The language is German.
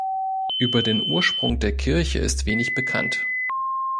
Über den Ursprung der Kirche ist wenig bekannt.